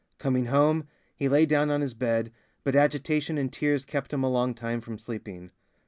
Coming home, he lay down on his bed, but agitation and tears kept him a long time from sleeping...